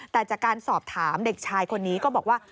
แต่จากการสอบถามเด็กชายคนนี้ก็บอกว่า